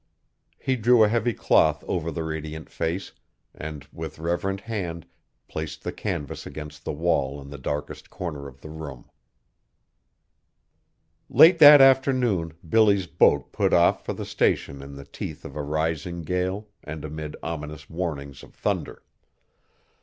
He drew a heavy cloth over the radiant face, and with reverent hand placed the canvas against the wall in the darkest corner of the room. Late that afternoon Billy's boat put off for the Station in the teeth of a rising gale and amid ominous warnings of thunder.